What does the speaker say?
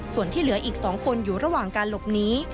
ส่วนที่เหลืออีก๒คนอยู่ระหว่างการหลบหนี